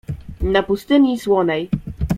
"Na pustyni słonej."